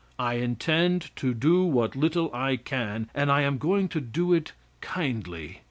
I intend to do what little I can, and I am going to do it kindly.